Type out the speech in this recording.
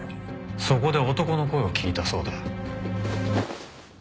そこで男の声を聞いたそうだ。